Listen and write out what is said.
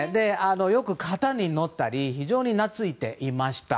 よく肩に乗ったり非常になついていました。